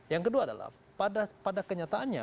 yang kedua adalah pada kenyataannya